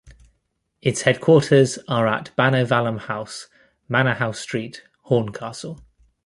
Its headquarters are at Banovallum House, Manor House Street, Horncastle.